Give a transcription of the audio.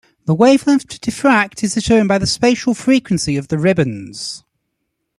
The wavelength to diffract is determined by the spatial frequency of the ribbons.